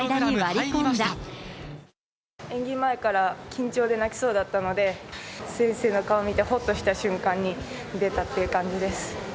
演技前から緊張で泣きそうだったので、先生の顔見て、ほっとした瞬間に出たっていう感じです。